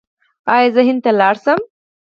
ایا زه هند ته لاړ شم؟